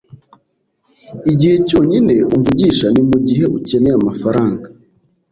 Igihe cyonyine umvugisha ni mugihe ukeneye amafaranga.